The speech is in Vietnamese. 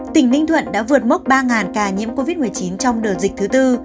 tỉnh ninh thuận đã vượt mốc ba ca nhiễm covid một mươi chín trong đợt dịch thứ tư